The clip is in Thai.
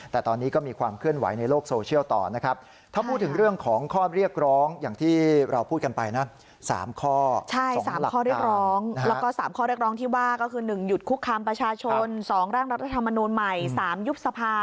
แต่ตอนนี้ก็มีความเคลื่อนไหวในโลกโซเชียลต่อนะครับ